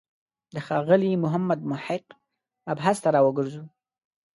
د ښاغلي محمد محق مبحث ته راوګرځو.